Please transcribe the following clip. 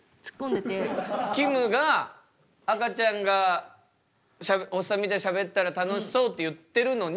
きむが赤ちゃんがおっさんみたいにしゃべったら楽しそうって言ってるのに。